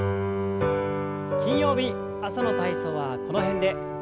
金曜日朝の体操はこの辺で。